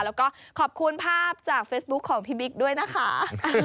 แล้วก็ขอบคุณภาพจากเฟซบุ๊คของพี่บิ๊กด้วยนะคะ